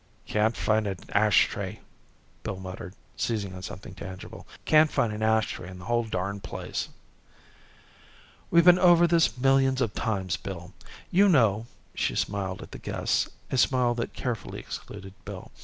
"Can't find an ashtray," Bill muttered, seizing on something tangible. "Can't find an ashtray in the whole darn place." "We've been over this millions of times, Bill. You know " she smiled at the guests, a smile that carefully excluded Bill.